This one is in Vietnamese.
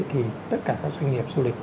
thì tất cả các doanh nghiệp du lịch